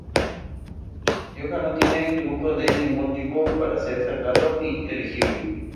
Johann no tiene truco de ningún tipo para ser sacado y elegible.